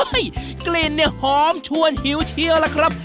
กลิ่นเนี่ยหอมชวนหิวเชียวล่ะครับ